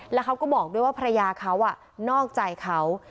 แล้วเขาก็บอกด้วยว่าภรรยาเขานอกใจเขา